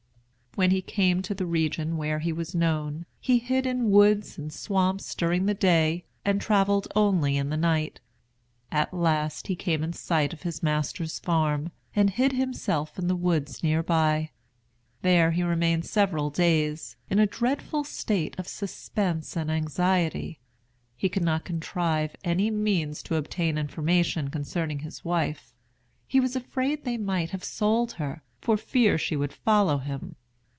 When he came to the region where he was known, he hid in woods and swamps during the day, and travelled only in the night. At last he came in sight of his master's farm, and hid himself in the woods near by. There he remained several days, in a dreadful state of suspense and anxiety. He could not contrive any means to obtain information concerning his wife. He was afraid they might have sold her, for fear she would follow him.